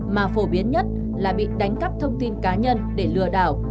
mà phổ biến nhất là bị đánh cắp thông tin cá nhân để lừa đảo